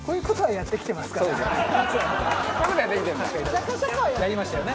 やりましたよね。